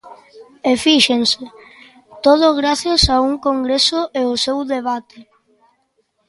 E fíxense, todo grazas a un Congreso e o seu debate.